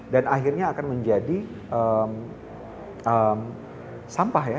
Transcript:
dan akhirnya akan menjadi sampah ya